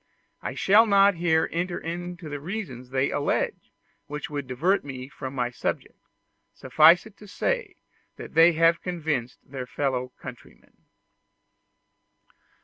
I shall not here enter into the reasons they allege, which would divert me from my subject: suffice it to say that they have convinced their fellow countrymen.